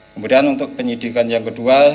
kemudian untuk penyidikan yang kedua